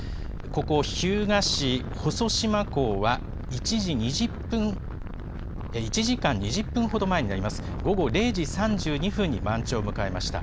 ここ日向市細島港は、１時間２０分ほど前になります、午後０時３２分に満潮を迎えました。